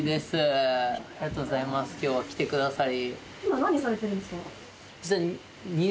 今日は来てくださり。